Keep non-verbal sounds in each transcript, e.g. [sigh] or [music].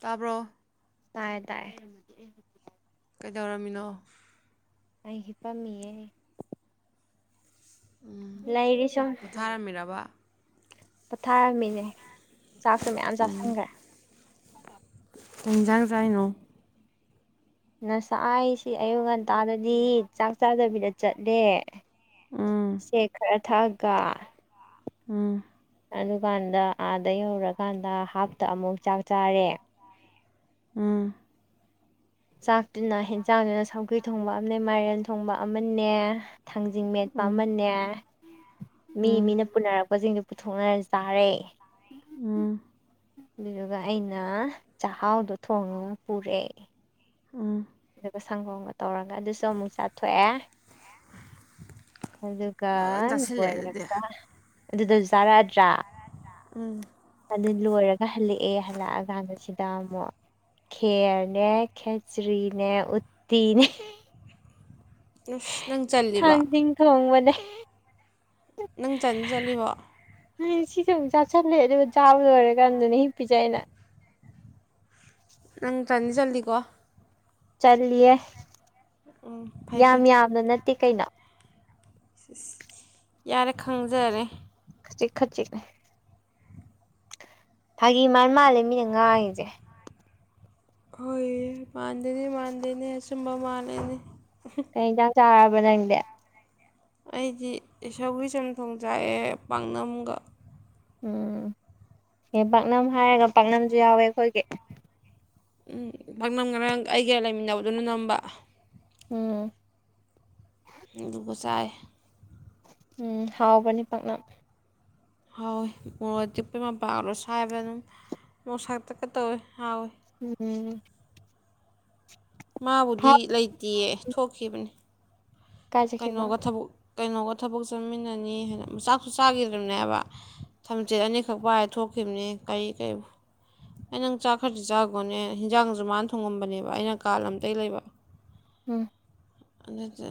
ꯇꯥꯕ꯭ꯔꯣ ꯇꯥꯏꯌꯦ ꯇꯥꯏꯌꯦ ꯀꯩꯗꯧꯔꯝꯃꯤꯅꯣ ꯑꯩ ꯍꯤꯞꯄꯝꯃꯤꯌꯦ ꯂꯩꯥꯏꯔꯤ ꯁꯨꯝ ꯇꯨꯝꯃꯤꯔꯥꯕ ꯄꯣꯊꯥꯔꯝꯃꯤꯅꯦ ꯆꯥꯛꯁꯨ ꯃꯌꯥꯝ ꯆꯥꯁꯤꯟꯒ꯭ꯔꯦ ꯀꯩ ꯏꯟꯖꯥꯡ ꯆꯥꯏꯅꯣ ꯉꯁꯥꯏꯁꯤ ꯑꯌꯨꯛ ꯉꯟꯇꯥꯗꯒꯤ ꯆꯥꯛ ꯆꯥꯗꯕꯤꯗ ꯆꯠꯂꯦ ꯎꯝ ꯁꯦꯛ ꯈꯥꯔ ꯊꯛꯑꯒ ꯎꯝ ꯑꯗꯨꯀꯥꯟꯗ ꯑꯥꯗ ꯌꯧꯔꯀꯥꯟꯗ ꯍꯥꯞꯇ ꯑꯃꯨꯛ ꯆꯥꯛ ꯆꯥꯔꯦ ꯎꯝ ꯆꯥꯛꯇꯨꯅ ꯍꯦꯟꯖꯥꯡꯗꯨꯅ ꯁꯧꯒꯔꯤ ꯊꯣꯡꯕ ꯑꯃꯅꯦ ꯃꯥꯏꯔꯦꯟ ꯊꯣꯡꯕ ꯑꯃꯅꯦ ꯊꯥꯡꯖꯤꯡ ꯃꯦꯠꯄ ꯎꯝ ꯑꯃꯅꯦ ꯃꯤ ꯎꯝ ꯃꯤꯅ ꯄꯨꯅꯔꯛꯄꯖꯤꯡꯗꯨ ꯄꯨꯊꯣꯛꯅꯔ ꯆꯥꯔꯦ ꯎꯝ ꯑꯗꯨꯗꯨꯒ ꯑꯩꯅ ꯆꯥꯛꯍꯥꯎꯗꯣ ꯊꯣꯡꯉꯒ ꯄꯨꯔꯦ ꯎꯝ ꯑꯗꯨꯒ ꯁꯪꯒꯣꯝꯒ ꯇꯧꯔꯒ ꯑꯗꯨꯁꯨ ꯑꯃꯨꯛ ꯆꯥꯊꯣꯛꯑꯦ ꯑꯗꯨ ꯒ ꯐꯖꯅ ꯆꯥꯁꯤꯜꯂꯛꯑꯦ ꯑꯗꯨꯗꯤ ꯂꯣꯏꯔꯒ ꯑꯗꯨꯗꯁꯨ ꯆꯥꯔꯛꯑꯗ꯭ꯔꯥ ꯎꯝ ꯑꯗꯨ ꯂꯣꯏꯔꯒ ꯍꯜꯂꯛꯑꯦ ꯍꯜꯂꯛꯑꯀꯥꯟꯗ ꯁꯤꯗ ꯑꯃꯨꯛ ꯈꯦ꯭ꯔꯅꯦ ꯈꯦꯆ꯭ꯔꯤꯅꯦ ꯎꯠꯇꯤꯅꯦ ꯏꯁ ꯅꯪ ꯆꯜꯂꯤꯕꯥ [inaudible] ꯅꯪ ꯆꯟꯗꯤ ꯆꯟꯂꯤꯕꯣ ꯎꯝ ꯁꯤꯁꯨ ꯑꯃꯨꯛ ꯆꯥꯁꯤꯜꯂꯦ ꯑꯗꯨꯒ ꯆꯥꯕ ꯂꯣꯏꯔ ꯀꯥꯟꯗꯅꯦ ꯍꯤꯞꯄꯤꯖꯦ ꯑꯩꯅ ꯅꯪ ꯆꯟꯗꯤ ꯆꯟꯂꯤꯀꯣ ꯆꯟꯂꯤꯌꯦ ꯎꯝ ꯐꯩ ꯌꯥꯝ ꯐꯩ ꯌꯥꯝꯅ ꯅꯠꯇꯦ ꯀꯩꯅꯣ ꯏꯁ ꯏꯁ ꯌꯥꯔꯦ ꯈꯪꯖꯔꯦ ꯈꯖꯤꯛ ꯈꯖꯤꯛꯅꯦ ꯐꯥꯒꯤ ꯃꯥꯟ ꯃꯥꯜꯂꯦ ꯃꯤꯅ ꯉꯥꯡꯉꯤꯖꯦ ꯍꯣꯏ ꯃꯥꯟꯗꯦꯅꯦ ꯃꯥꯟꯗꯦꯅꯦ ꯑꯆꯨꯝꯕ ꯃꯥꯜꯂꯦꯅꯦ ꯀꯩ ꯏꯟꯁꯥꯡ ꯆꯥꯔꯕ ꯅꯪꯗꯤ ꯑꯩꯗꯤ ꯁꯧꯒꯔꯤ ꯆꯝꯊꯣꯡ ꯆꯥꯏꯑꯦ ꯄꯥꯛꯅꯝꯒ ꯎꯝ ꯑꯦ ꯄꯥꯛꯅꯝ ꯍꯥꯏꯔꯒ ꯄꯥꯛꯅꯝꯁꯨ ꯌꯥꯎꯋꯦ ꯑꯩꯈꯣꯏꯒꯤ ꯎꯝ ꯄꯥꯛꯅꯝ ꯉꯔꯥꯡ ꯑꯩꯒꯥ ꯂꯩꯃꯤꯟꯅꯕꯗꯨꯅ ꯅꯝꯕ ꯎꯝ ꯑꯗꯨꯒ ꯆꯥꯏꯌꯦ ꯎꯝ ꯍꯥꯎꯕꯅꯤ ꯄꯥꯛꯅꯝ ꯍꯥꯎꯋꯤ ꯃꯣꯔꯣꯛ ꯑꯇꯤꯛꯄꯤ ꯃꯄꯥꯜꯗꯣ ꯁꯥꯏꯕ ꯑꯗꯨꯝ ꯃꯣꯔꯛ ꯁꯥꯇꯛꯀ ꯇꯧꯋꯤ ꯍꯥꯎꯋꯏ ꯎꯝ [inaudible] ꯍꯥꯎ ꯃꯥꯕꯨꯗꯤ ꯂꯩꯇꯤꯌꯦ ꯊꯣꯛꯈꯤꯕꯅꯤ ꯀꯥꯏ ꯆꯠꯈꯤꯕ ꯀꯩꯅꯣꯒ ꯊꯕꯛ ꯀꯩꯅꯣꯒ ꯊꯕꯛ ꯆꯠꯃꯤꯟꯅꯅꯤ ꯍꯥꯏꯅ ꯆꯥꯛꯁꯨ ꯆꯥꯒꯤꯗ꯭ꯔꯤꯕꯅꯦ ꯍꯥꯏꯕ ꯊꯝꯆꯦꯠ ꯑꯅꯤꯈꯛ ꯄꯥꯏꯔ ꯊꯣꯛꯈꯤꯕꯅꯤ ꯀꯔꯤ ꯀꯔꯤ ꯑꯩ ꯅꯪ ꯆꯥꯛ ꯈꯔꯗꯤ ꯆꯥꯒꯣꯅꯦ ꯍꯤꯟꯖꯥꯡꯖꯨ ꯃꯥꯅ ꯊꯣꯡꯉꯝꯕꯅꯦꯕ ꯑꯩꯅ ꯀꯥ ꯂꯝ ꯇꯩ ꯂꯩꯕ [inaudible] ꯎꯝ ꯑꯗꯨꯗꯤ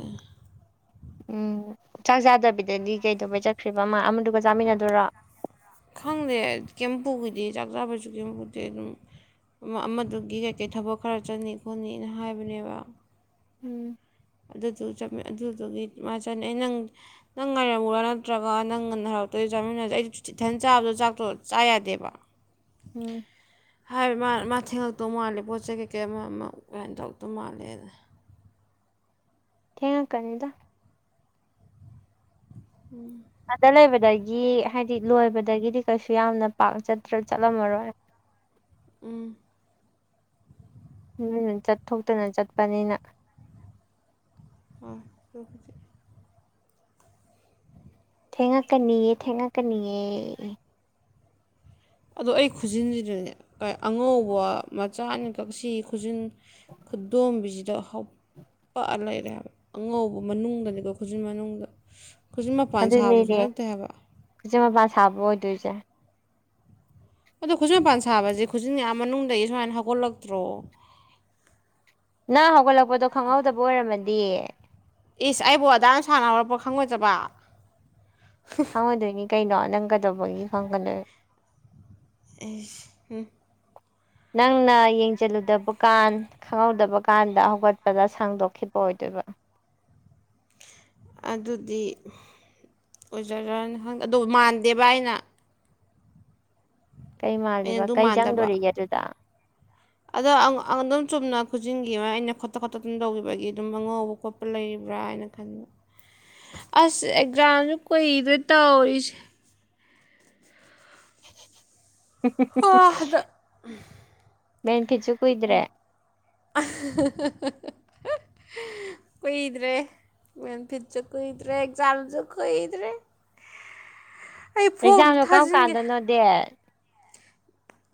ꯎꯝ ꯆꯥꯛ ꯆꯥꯗꯕꯤꯗꯗꯤ ꯀꯩꯗꯧꯕꯩ ꯆꯠꯈ꯭ꯔꯤꯕ ꯑꯃ ꯑꯃꯗꯨꯒ ꯆꯥꯃꯤꯟꯅꯗꯣꯏꯔꯣ ꯈꯪꯗꯦ ꯀꯩꯝ ꯄꯨꯒꯤꯗꯤ ꯆꯥꯛ ꯆꯥꯕꯁꯨ ꯀꯩꯝ ꯄꯨꯗꯦ ꯑꯗꯨꯝ ꯑꯃꯗꯨꯒꯤ ꯀꯩꯀꯩ ꯊꯕꯛ ꯈꯔ ꯆꯠꯅꯤ ꯈꯣꯠꯅꯤꯅ ꯍꯥꯏꯕꯅꯦꯕ ꯎꯝ ꯑꯗꯨꯗꯨ ꯆꯠ ꯑꯗꯨꯗꯨꯒꯤ ꯃꯥ ꯆꯠꯅꯩ ꯑꯩ ꯅꯪ ꯅꯪ ꯉꯥꯏꯔꯝꯃꯨꯔꯣ ꯅꯠꯇ꯭ꯔꯒ ꯅꯪ ꯉꯟꯅ ꯍꯜꯂꯛꯇꯣꯏ ꯆꯥꯃꯤꯟꯅꯖꯦ ꯑꯩ ꯏꯊꯟ ꯆꯥꯕꯗꯣ ꯆꯥꯛꯇꯣ ꯆꯥ ꯌꯥꯗꯦꯕ ꯎꯝ ꯍꯥꯏꯕ ꯃꯥ ꯃꯥ ꯊꯦꯡꯉꯛꯇꯧ ꯃꯥꯜꯂꯦ ꯄꯣꯠ ꯆꯩ ꯀꯩꯀꯩ ꯑꯃ ꯑꯃ ꯀꯃꯥꯏꯅ ꯇꯧꯔꯛꯇꯧ ꯃꯥꯜꯂꯦ ꯑꯗꯨꯅ ꯊꯦꯡꯉꯛꯀꯅꯤꯗ ꯎꯝ ꯑꯥꯗ ꯂꯩꯕꯗꯒꯤ ꯍꯥꯏꯗꯤ ꯂꯣꯏꯕꯗꯒꯤꯗꯤ ꯀꯩꯁꯨ ꯌꯥꯝꯅ ꯄꯥꯛ ꯆꯠꯇ꯭ꯔ ꯆꯠꯂꯝꯃꯔꯣꯏ ꯎꯝ ꯆꯠꯊꯣꯛꯇꯅ ꯆꯠꯄꯅꯤꯅ [unintelligible] ꯊꯦꯡꯉꯛꯀꯅꯤꯌꯦ ꯊꯦꯡꯉꯛꯀꯅꯤꯌꯦ ꯑꯗꯣ ꯑꯩ ꯈꯨꯖꯤꯟꯁꯤꯗꯨꯅꯦ ꯑꯉꯧꯕ ꯃꯆꯥꯅꯤ ꯀꯛꯁꯤ ꯈꯨꯖꯤꯟ ꯈꯨꯗꯣꯝꯕꯤꯖꯤꯗ ꯍꯥꯎ ꯄꯛꯑ ꯂꯩꯔꯦ ꯍꯥꯏꯕ ꯑꯉꯧꯕ ꯃꯅꯨꯡꯗꯅꯤꯀꯣ ꯈꯨꯖꯤꯟ ꯃꯅꯨꯡꯗ ꯈꯨꯖꯤꯛ ꯃꯄꯥꯟ ꯁꯥꯕꯁꯨ ꯅꯠꯇꯦ ꯍꯥꯏꯕ ꯈꯨꯖꯤꯟ ꯃꯄꯥꯟ ꯁꯥꯕ ꯑꯣꯏꯗꯣꯏꯖꯦ ꯑꯗꯣ ꯈꯨꯖꯤꯟ ꯃꯄꯥꯟ ꯁꯥꯕꯁꯦ ꯈꯨꯖꯤꯟ ꯑ ꯃꯅꯨꯡꯗꯒꯤ ꯁꯨꯃꯥꯏꯅ ꯍꯧꯒꯠꯂꯛꯇ꯭ꯔꯣ ꯅꯪ ꯍꯧꯒꯠꯂꯛꯄꯗꯣ ꯈꯪꯍꯧꯗꯕ ꯑꯣꯏꯔꯝꯃꯗꯤ ꯏꯁ ꯑꯩꯕꯨ ꯑꯗꯥꯝ ꯁꯥꯡꯅ ꯍꯧꯔꯛꯄ ꯈꯪꯉꯣꯏꯗꯕ ꯈꯪꯉꯣꯏꯗꯣꯏꯅꯤ ꯀꯩꯅꯣ ꯅꯪ ꯀꯗꯧꯕꯒꯤ ꯈꯪꯒꯗꯣꯏ ꯑꯦ ꯎꯝ ꯅꯪꯅ ꯌꯦꯡꯖꯜꯂꯨꯗꯕ ꯀꯥꯟ ꯈꯪꯍꯧꯗꯕ ꯀꯥꯟꯗ ꯍꯧꯒꯠꯄꯗ ꯁꯥꯡꯗꯣꯛꯈꯤꯕ ꯑꯣꯏꯗꯣꯏꯕ ꯑꯗꯨꯗꯤ ꯑꯣꯏꯖꯔꯅꯤ ꯈꯪ ꯑꯗꯨ ꯃꯥꯟꯗꯦꯕ ꯑꯩꯅ ꯀꯩ ꯑꯩꯅ ꯃꯥꯜꯂꯤꯕ ꯑꯗꯨ ꯀꯩ ꯃꯥꯟꯗꯕ ꯆꯪꯗꯣꯔꯤꯒꯦ ꯑꯗꯨꯗ ꯑꯗꯣ ꯑꯗꯨꯝ ꯆꯨꯝꯅ ꯈꯨꯖꯤꯡꯒꯤ ꯑꯩꯅ ꯈꯣꯠꯇ ꯈꯣꯠꯇ ꯑꯗꯨꯝ ꯇꯧꯈꯤꯕꯒꯤ ꯑꯗꯨꯝ ꯑꯉꯧꯕ ꯈꯣꯠꯄ ꯂꯩꯔꯤꯕꯕ꯭ꯔꯥ ꯍꯥꯏꯅ ꯈꯟꯕ ꯑꯁ ꯑꯦꯛꯖꯥꯝꯁꯨ ꯀꯨꯏꯗ꯭ꯔꯦ ꯇꯧꯔꯤꯁꯦ ꯍꯥ ꯍꯟꯗꯛ ꯕꯦꯟꯀꯤꯠꯁꯨ ꯀꯨꯏꯗ꯭ꯔꯦ ꯑ ꯀꯨꯏꯗ꯭ꯔꯦ ꯃꯦꯟꯐꯤꯠꯁꯨ ꯀꯨꯏꯗ꯭ꯔꯦ ꯑꯦꯛꯖꯥꯝꯁꯨ ꯀꯨꯏꯗ꯭ꯔꯦ [inaudible] ꯑꯝꯇ ꯑꯦꯛꯖꯥꯝꯗꯣ ꯀꯝ ꯊꯥꯖꯤꯟꯒꯦ ꯀꯥꯟꯗꯅꯣ ꯗꯦꯠ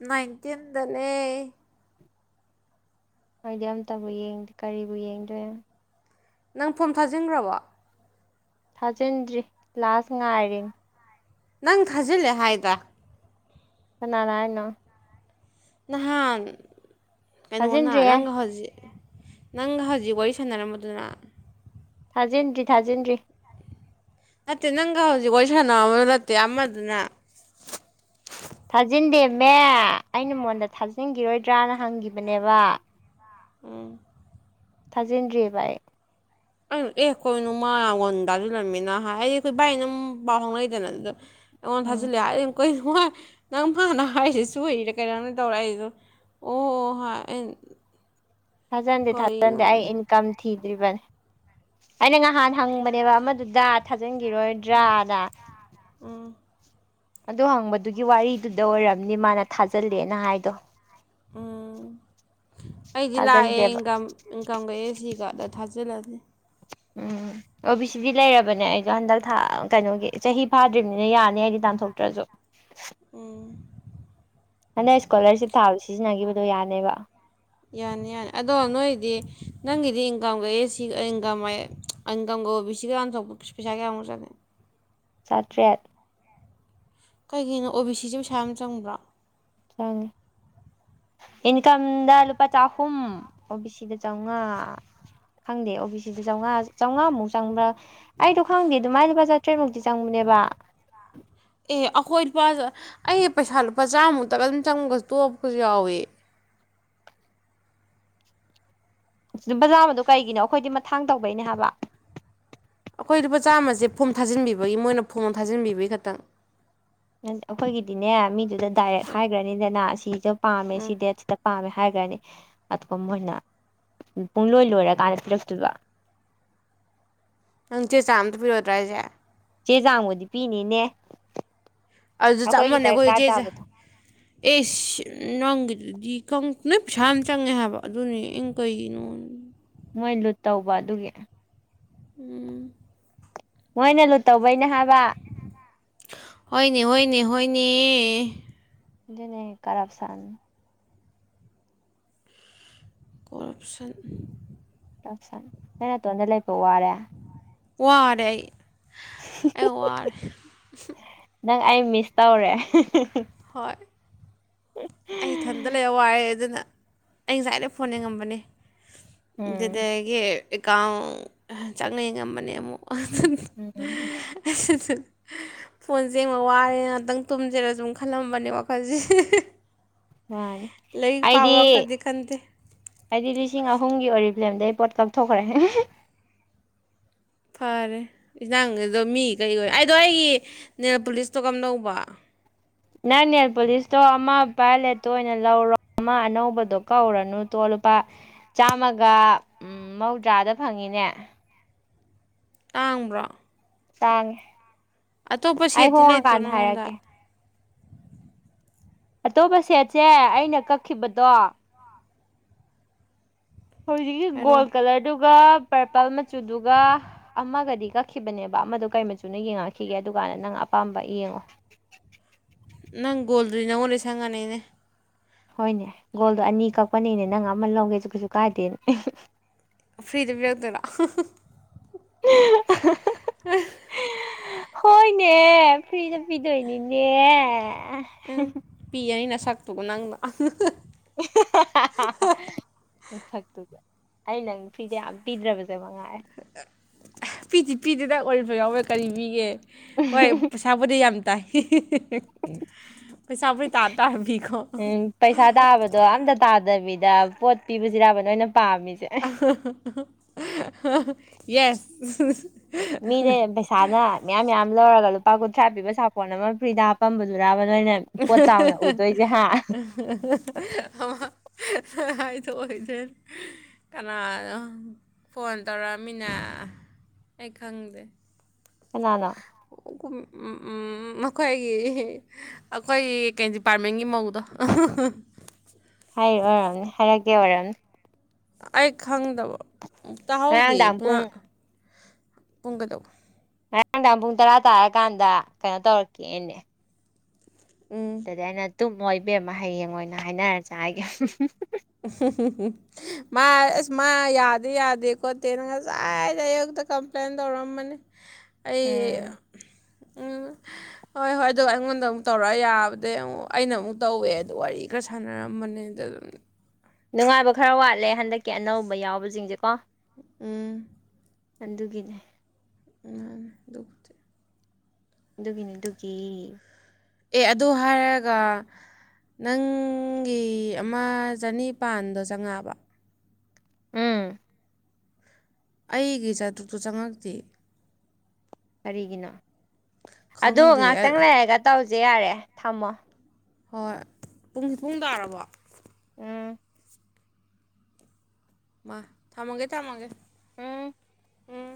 ꯅꯥꯏꯟꯇꯤꯟꯗꯅꯦ ꯍꯥꯏꯗꯤ ꯑꯝꯇꯕꯨ ꯌꯦꯡꯗꯦ ꯀꯔꯤꯕꯨ ꯌꯦꯡꯗꯣꯏꯅꯣ ꯅꯪ ꯐꯣꯝ ꯊꯥꯖꯤꯟꯈ꯭ꯔꯕꯣ ꯊꯥꯖꯤꯟꯗ꯭ꯔꯤ ꯂꯥꯁ ꯉꯥꯏꯔꯤꯅꯦ ꯅꯪ ꯊꯥꯖꯤꯜꯂꯦ ꯍꯥꯏꯗ ꯀꯅꯥꯅ ꯍꯥꯢꯅꯣ ꯅꯍꯥꯟ ꯀꯩꯅꯣꯅ ꯊꯥꯖꯤꯟꯗ꯭ꯔꯤꯍꯦ ꯅꯪꯒ ꯍꯧꯖꯤꯛ ꯅꯪꯒ ꯍꯧꯖꯤꯛ ꯋꯥꯔꯤ ꯁꯥꯟꯅꯔꯝꯕꯗꯨꯅ ꯊꯥꯖꯤꯟꯗ꯭ꯔꯤ ꯊꯥꯖꯤꯟꯗ꯭ꯔꯤ ꯅꯠꯇꯦ ꯅꯪꯒ ꯍꯧꯖꯤꯛ ꯋꯥꯔꯤ ꯁꯅꯔꯝꯕꯗꯣ ꯅꯠꯇꯦ ꯑꯃꯗꯨꯅ ꯊꯥꯖꯤꯟꯗꯦꯝꯃꯦ ꯑꯩꯅ ꯃꯉꯣꯟꯗ ꯊꯥꯖꯤꯟꯒꯤꯔꯣꯏꯗ꯭ꯔꯥꯅ ꯍꯪꯒꯤꯕꯅꯦꯕ ꯎꯝ ꯊꯥꯖꯤꯟꯗ꯭ꯔꯤꯑꯦꯕ ꯑꯩ ꯑꯩꯅ ꯑꯦ ꯀꯩꯅꯣ ꯃꯥꯅ ꯑꯩꯉꯣꯟꯗ ꯊꯖꯝꯂꯝꯃꯤꯅ ꯍꯥꯏ ꯑꯩ ꯑꯈꯣꯏ ꯚꯥꯏ ꯑꯗꯨꯝ ꯄꯥꯎ ꯐꯥꯎꯅꯩꯗꯅ ꯑꯗꯨꯗ ꯑꯩꯉꯣꯟꯗ ꯎꯝ ꯊꯥꯖꯤꯜꯂꯦ ꯍꯥꯏ ꯀꯩꯅꯣꯍꯥꯏ ꯅꯪ ꯃꯥꯅ ꯍꯥꯏꯔꯤꯁꯦ ꯁꯣꯢꯔꯤꯔ ꯀꯩꯅꯣꯝꯗꯤ ꯇꯧꯔꯦ ꯑꯩꯁꯨ ꯑꯗꯨꯝ ꯑꯣ ꯑꯣ ꯍꯥꯏꯔ ꯑꯩꯅ ꯊꯥꯖꯟꯗꯦ ꯀꯔꯤꯅꯣ ꯊꯥꯖꯟꯗꯦ ꯑꯩ ꯏꯟꯀꯝ ꯊꯤꯗ꯭ꯔꯤꯕꯅꯦ ꯑꯩꯅ ꯉꯍꯥꯟ ꯍꯪꯕꯅꯦꯕ ꯑꯃꯗꯨꯗ ꯊꯥꯖꯤꯟꯒꯤꯔꯣꯏꯗ꯭ꯔꯥꯅ ꯎꯝ ꯑꯗꯨ ꯍꯪꯕꯗꯨꯒꯤ ꯋꯥꯔꯤꯗꯨꯗ ꯑꯣꯏꯔꯝꯅꯤ ꯃꯥꯅ ꯊꯥꯖꯜꯂꯦꯅ ꯍꯥꯏꯗꯣ ꯎꯝ ꯑꯩꯗꯤ ꯂꯛꯑꯦ ꯊꯥꯖꯤꯟꯗ꯭ꯔꯦꯕ ꯏꯟꯀꯝ ꯏꯟꯀꯝꯒ ꯑꯦꯁ ꯁꯤꯒꯗ ꯊꯥꯖꯤꯜꯂꯅꯤ ꯎꯝ ꯑꯣꯕꯤ ꯁꯤꯗꯤ ꯂꯩꯔꯕꯅꯦ ꯑꯩꯁꯨ ꯍꯟꯗꯛ ꯊ ꯀꯩꯅꯣꯒꯤ ꯆꯍꯤ ꯐꯥꯗ꯭ꯔꯤꯕꯅꯤꯅ ꯌꯥꯅꯤ ꯑꯩꯗꯤ ꯇꯥꯟꯊꯣꯛꯇ꯭ꯔꯁꯨ ꯎꯝ ꯍꯟꯗꯛ ꯏꯁꯀꯣꯂꯔꯁꯤꯞ ꯊꯥꯕꯗ ꯁꯤꯖꯤꯟꯅꯈꯤꯕꯗꯣ ꯌꯥꯅꯦꯕ ꯌꯥꯅꯤ ꯌꯥꯅꯤ ꯑꯗꯣ ꯅꯣꯏꯗꯤ ꯅꯪꯒꯤꯗꯤ ꯏꯟꯀꯝꯒ ꯑꯦꯁ ꯁꯤ ꯏꯟꯀꯝ ꯑꯌꯦ ꯏꯟꯀꯝꯒ ꯑꯣꯕꯤ ꯁꯤꯒ ꯇꯟꯊꯣꯛꯄ ꯄꯩꯁꯥ ꯀꯥꯌꯥꯃꯨꯛ ꯆꯡꯉꯤ ꯆꯥꯇ꯭ꯔꯦꯠ ꯀꯩꯒꯤꯅꯣ ꯑꯣꯕꯤ ꯁꯤꯁꯦ ꯄꯩꯁꯥ ꯌꯥꯝ ꯆꯪꯕ꯭ꯔꯣ ꯆꯡꯉꯤ ꯏꯟꯀꯝꯗ ꯂꯨꯄꯥ ꯆꯥꯍꯨꯝ ꯑꯣꯕꯤ ꯁꯤꯗ ꯆꯝꯃꯉꯥ ꯈꯪꯗꯦ ꯑꯣꯕꯤ ꯁꯤꯗ ꯆꯝꯃꯉꯥ ꯆꯝꯉꯥꯃꯨꯛ ꯆꯪꯕ꯭ꯔꯥ ꯑꯩꯗꯣ ꯈꯪꯗꯦ ꯑꯗꯨꯃꯥꯏ ꯂꯨꯄꯥ ꯆꯥꯇ꯭ꯔꯦꯠꯃꯨꯛꯇꯤ ꯆꯪꯕꯅꯦꯕ ꯑꯦ ꯑꯩꯈꯣꯏ ꯂꯨꯄꯥ ꯑꯩ ꯄꯩꯁꯥ ꯂꯨꯄꯥ ꯆꯥꯃꯨꯛꯇꯒ ꯑꯗꯨꯝ ꯆꯪꯉꯒ ꯇꯣꯛꯄꯁꯨ ꯌꯥꯎꯋꯦ ꯂꯨꯄꯥ ꯆꯥꯝꯃꯗꯣ ꯀꯩꯒꯤꯅꯣ ꯑꯈꯣꯏꯗꯤ ꯃꯊꯥꯡ ꯇꯧꯕꯩꯅꯦ ꯍꯥꯏꯕ ꯑꯈꯣꯏ ꯂꯨꯄꯥ ꯆꯥꯝꯃꯁꯦ ꯐꯣꯝ ꯊꯥꯖꯤꯟꯕꯤꯕꯩ ꯃꯣꯏꯅ ꯐꯣꯝ ꯊꯥꯖꯤꯟꯕꯤꯕꯩ ꯈꯇꯪ ꯑꯈꯣꯏꯒꯤꯗꯤꯅꯦ ꯃꯤꯗꯨꯗ ꯗꯥꯏꯔꯦꯛ ꯍꯥꯏꯒꯔꯅꯤꯗꯅ ꯑꯁꯤꯁꯨ ꯄꯥꯝꯃꯦ ꯁꯤ ꯎꯝ ꯗꯦꯠ ꯁꯤꯗ ꯄꯥꯝꯃꯦ ꯍꯥꯏꯒꯔꯅꯤ ꯑꯗꯨꯒ ꯃꯣꯏꯅ ꯄꯨꯡꯂꯣꯏ ꯂꯣꯏꯔꯀꯥꯟꯗ ꯄꯤꯔꯛꯇꯣꯏꯕ ꯅꯪ ꯆꯦꯆꯥꯡ ꯑꯃꯇ ꯄꯤꯔꯣꯏꯗ꯭ꯔꯥ ꯍꯥꯏꯁꯦ ꯆꯦꯆꯥꯡꯕꯨꯗꯤ ꯄꯤꯅꯤꯅꯦ ꯑꯗꯨꯗ ꯆꯞ ꯑꯩꯈꯣꯏꯒꯤ ꯃꯥꯟꯅꯩ ꯑꯈꯣꯏꯁꯨ ꯗꯔꯀꯥꯔ ꯆꯦꯆꯥ ꯇꯥꯕꯗꯣ ꯑꯦꯁ ꯅꯪꯒꯤꯗꯨꯗꯤ ꯅꯣꯏ ꯄꯩꯁꯥ ꯌꯥꯝ ꯆꯪꯉꯦ ꯍꯥꯏꯕ ꯑꯗꯨꯅꯦ ꯑꯩꯅ ꯀꯩꯒꯤꯅꯣ ꯃꯣꯏ ꯂꯨꯠ ꯇꯧꯕ ꯑꯗꯨꯒꯤ ꯎꯝ ꯃꯣꯏꯅ ꯂꯨꯠ ꯇꯧꯕꯩꯅꯦ ꯍꯥꯏꯕ ꯍꯣꯏꯅꯦ ꯍꯣꯏꯅꯦ ꯍꯣꯏꯅꯦ ꯑꯗꯨꯅꯦ ꯀꯔꯞꯁꯟ ꯀꯣꯔꯞꯁꯟ ꯅꯪ ꯅꯥꯇꯣꯟꯗ ꯂꯩꯕ ꯋꯥꯔꯦ ꯋꯥꯔꯦ ꯑꯩ ꯑꯩ ꯋꯥꯔꯦ ꯅꯪ ꯑꯩ ꯃꯤꯁ ꯇꯧꯔꯦ ꯍꯣꯏ ꯎ [unintelligible] ꯗ ꯂꯩꯔ ꯋꯥꯏꯑꯦ ꯑꯗꯨꯅ ꯑꯩ ꯉꯁꯥꯏꯗꯩ ꯐꯣꯟ ꯌꯦꯡꯉꯝꯕꯅꯤ ꯎꯝ ꯑꯗꯨꯗꯒꯤ ꯑꯦꯀꯥꯎꯟ ꯆꯪꯉ ꯌꯦꯉꯝꯕꯅꯦ ꯑꯃꯨꯛ ꯎꯝ [unintelligible] ꯐꯣꯟ ꯌꯦꯡꯕ ꯋꯥꯔꯦ ꯉꯥꯛꯇꯪ ꯇꯨꯝꯖꯤꯔ ꯁꯨꯝ ꯈꯜꯂꯝꯕꯅꯦ ꯋꯥꯈꯟꯖꯦ ꯃꯥꯅꯤ ꯂꯥꯏꯔꯤꯛ ꯑꯩꯗꯤ ꯄꯥꯕ ꯀꯗꯤ ꯈꯟꯗꯦ ꯑꯩꯗꯤ ꯂꯤꯁꯤꯡ ꯑꯍꯨꯝꯒꯤ ꯑꯣꯏꯔꯤꯐ꯭ꯂꯦꯝꯗꯩ ꯑꯩ ꯄꯣꯠ ꯀꯛꯊꯣꯛꯈ꯭ꯔꯦ ꯐꯔꯦ ꯏꯟꯖꯥꯡꯗꯣ ꯃꯤ ꯀꯩ ꯑꯣꯏ ꯑꯩꯗꯣ ꯑꯩꯒꯤ ꯅꯦꯜꯄꯣꯂꯤꯁꯇꯣ ꯀꯝꯗꯧꯕ ꯅꯪ ꯅꯦꯜꯄꯨꯂꯤꯁꯇꯣ ꯑꯃ ꯕꯥꯏꯂꯦꯠꯇꯣ ꯑꯣꯏꯅ ꯂꯧꯔꯣ ꯑꯃ ꯑꯅꯧꯕꯗꯣ ꯀꯛꯎꯔꯅꯨ ꯇꯣ ꯂꯨꯄꯥ ꯆꯥꯝꯃꯒ ꯎꯝ ꯃꯧꯗ꯭ꯔꯥꯗ ꯐꯪꯉꯤꯅꯦ ꯇꯥꯡꯕ꯭ꯔꯣ ꯇꯥꯡꯉꯦ ꯑꯇꯣꯞꯄ ꯑꯩ ꯁꯦꯠꯇꯤ ꯂꯩꯇ꯭ꯔꯣ ꯍꯣꯡꯉꯀꯥꯟꯗ ꯅꯪꯉꯣꯟꯗ ꯍꯥꯏꯔꯛꯀꯦ ꯑꯇꯣꯞꯄ ꯁꯦꯠꯁꯦ ꯑꯩꯅ ꯀꯛꯈꯤꯕꯗꯣ ꯍꯧꯖꯤꯛꯀꯤ ꯍꯥꯏꯔꯛꯑꯣ ꯒꯣꯜ ꯀꯂꯔꯗꯨꯒ ꯄꯔꯄꯜ ꯃꯆꯨꯗꯨꯒ ꯑꯃꯒꯗꯤ ꯀꯛꯈꯤꯕꯅꯦꯕ ꯑꯃꯗꯣ ꯀꯩ ꯃꯆꯨꯅꯣ ꯌꯦꯡꯉꯛꯈꯤꯒꯦ ꯑꯗꯨ ꯀꯥꯟꯗ ꯅꯪ ꯑꯄꯥꯝꯕ ꯌꯦꯡꯉꯣ ꯅꯪ ꯒꯣꯜꯗꯨꯗꯤ ꯅꯪꯉꯣꯟꯗ ꯁꯪꯉꯅꯤꯅꯦ ꯍꯣꯏꯅꯦ ꯒꯣꯜꯗꯣ ꯑꯅꯤ ꯀꯛꯄꯅꯤꯅꯦ ꯅꯪ ꯑꯃ ꯂꯧꯒꯦꯁꯨ ꯀꯩꯁꯨ ꯀꯥꯏꯗꯦꯅꯦ ꯐ꯭ꯔꯤꯗ ꯄꯤꯔꯛꯇꯣꯏꯔꯣ [unintelligible] ꯍꯣꯏꯅꯦ ꯐ꯭ꯔꯤꯗ ꯄꯤꯗꯣꯏꯅꯤꯅꯦ ꯎꯝ ꯄꯤꯔꯅꯤ ꯅꯁꯥꯛꯇꯨꯒ ꯅꯪꯅꯥ [unintelligible] ꯍꯥꯍꯥꯍꯥꯍꯥ ꯑꯩ ꯅꯪ ꯐꯔꯤꯗ ꯌꯥꯝ ꯄꯤꯗ꯭ꯔꯕꯁꯦ ꯃꯉꯥꯏꯔꯦ ꯄꯤꯗꯤ ꯄꯤꯗꯦꯗ ꯑꯣꯔꯤꯐꯦꯝ ꯌꯥꯎꯕꯩ ꯀꯔꯤ ꯄꯤꯒꯦ ꯍꯣꯏ ꯄꯩꯁꯥꯕꯨꯗꯤ ꯌꯥꯝ ꯇꯥꯏ ꯄꯩꯁꯥꯕꯨꯗꯤ ꯇꯥ ꯇꯥꯔꯕꯤꯀꯣ ꯎꯝ ꯄꯩꯁꯥ ꯇꯥꯕꯗꯣ ꯑꯝꯇ ꯇꯥꯗꯕꯤꯗ ꯄꯣꯠ ꯄꯤꯕꯁꯤꯔꯥꯕ ꯅꯣꯏꯅ ꯄꯥꯝꯃꯤꯁꯦ [unintelligible] ꯌꯦꯁ ꯃꯤꯅꯦ [unintelligible] ꯄꯩꯁꯥꯅ ꯃꯌꯥꯝ ꯃꯌꯥꯝ ꯂꯧꯔꯒ ꯂꯨꯄꯥ ꯀꯨꯟꯊ꯭ꯔꯥ ꯄꯤꯕ ꯁꯥꯄꯣꯟ ꯑꯃ ꯐ꯭ꯔꯤꯗ ꯍꯥꯞꯄꯝꯕꯗꯨꯔꯥꯕ ꯅꯣꯏꯅ ꯄꯣꯠ ꯆꯥꯎꯅ ꯎꯗꯣꯏꯁꯦ ꯍꯥ ꯑꯃꯥ ꯍꯥꯏꯗꯣꯛꯑꯣꯏꯅꯦ ꯀꯅꯥꯅꯣ ꯐꯣꯟ ꯇꯧꯔꯛꯑꯃꯤꯅ ꯑꯩ ꯈꯪꯗꯦ ꯀꯅꯥꯅꯣ ꯎꯝ ꯃꯈꯣꯏꯒꯤ ꯑꯩꯈꯣꯏꯒꯤ ꯀꯩ ꯗꯤꯄꯥꯔꯠꯃꯦꯟꯒꯤ ꯃꯧꯗꯣ ꯍꯥꯏ ꯑꯣꯏꯔꯝꯅꯤ ꯍꯥꯏꯔꯛꯀꯦ ꯑꯣꯏꯔꯝꯅꯤ ꯑꯩ ꯈꯪꯗꯕ ꯇꯥꯍꯧꯗꯦ ꯉꯔꯥꯡꯗꯥꯡ ꯄꯨ ꯄꯨꯡ ꯄꯨꯡ ꯀꯗꯧꯕ ꯥꯍꯣꯔꯦꯟ ꯅꯨꯡꯗꯥꯡ ꯄꯨꯡ ꯇꯔꯥ ꯇꯥꯔꯀꯥꯟꯗ ꯀꯩꯅꯣ ꯇꯧꯔꯛꯀꯦꯅꯦ ꯎꯝ ꯉꯟꯅ ꯇꯨꯝꯃꯣ ꯏꯕꯦꯝꯃ ꯍꯌꯦꯡ ꯑꯣꯏꯅ ꯍꯥꯏꯅꯔꯖꯦ ꯍꯥꯏꯒꯤ [unintelligible] [unintelligible] ꯃꯥ ꯑꯁ ꯃꯥ ꯌꯥꯗꯤ ꯌꯥꯗꯦ ꯈꯣꯠꯇꯦꯅ ꯉꯁꯥꯏꯗ ꯑꯌꯨꯛꯇ ꯀꯝꯄ꯭ꯂꯦꯟ ꯇꯧꯔꯝꯕꯅꯤ ꯑꯩ ꯎꯝ ꯎꯝ ꯍꯣꯏ ꯍꯣꯏ ꯑꯗꯣ ꯑꯩꯉꯣꯟꯗ ꯑꯃꯨꯛ ꯇꯧꯔꯑ ꯌꯥꯕꯗꯩ ꯑꯃꯨꯛ ꯑꯩꯅ ꯑꯃꯨꯛ ꯇꯧꯋꯦ ꯑꯗꯨ ꯋꯥꯔꯤ ꯈ꯭ꯔ ꯁꯥꯟꯅꯔꯝꯕꯅꯦ ꯑꯗꯗꯨꯝ ꯅꯨꯉꯥꯏꯕ ꯈꯔ ꯋꯥꯠꯂꯦ ꯍꯟꯗꯛꯀꯤ ꯑꯅꯧꯕ ꯌꯥꯎꯕꯖꯤꯡꯖꯦ ꯀꯣ ꯎꯝ ꯑꯟꯗꯨꯒꯤꯅꯦ ꯃꯥꯅꯦ ꯑꯗꯨ ꯗꯨꯒꯤꯅꯤ ꯗꯨꯒꯤ ꯑꯦ ꯑꯗꯨ ꯍꯥꯏꯔꯒ ꯅꯪꯒꯤ ꯑꯃ ꯆꯅꯤꯄꯥꯟꯗꯣ ꯆꯪꯉꯑꯕ ꯎꯝ ꯑꯩꯒꯤ ꯆꯥꯇ꯭ꯔꯨꯛꯇꯨ ꯆꯪꯉꯛꯇꯦ ꯀꯔꯤꯒꯤꯅꯣ ꯑꯗꯨ ꯈꯪꯗꯦ ꯉꯍꯥꯛꯇꯪ ꯑ- ꯂꯩꯔꯒ ꯇꯧꯖꯦ ꯌꯥꯔꯦ ꯊꯝꯃꯣ ꯍꯣꯏ ꯄꯨꯡꯒꯤ ꯄꯨꯡ ꯇꯥꯔꯕꯣ ꯎꯝ ꯃꯥ ꯊꯝꯃꯒꯦ ꯊꯝꯃꯒꯦ ꯎꯝ ꯎꯝ